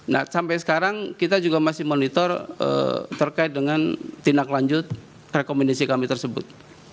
nah sampai sekarang kita juga masih monitor terkait dengan tindak lanjut rekomendasi kami tersebut